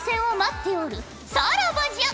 さらばじゃ！